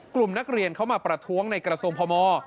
กลุ่มนักเรียนเขามาประท้วงในกระทรวงพม